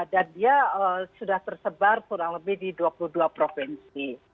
dan dia sudah tersebar kurang lebih di dua puluh dua provinsi